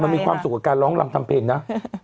มันมีความสุขกับการร้องรำทำเพลงนะ